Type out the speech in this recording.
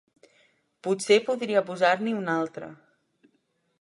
Potser podria posar-n'hi una altra